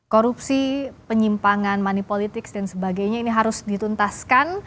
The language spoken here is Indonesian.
korupsi penyimpangan money politics dan sebagainya ini harus dituntaskan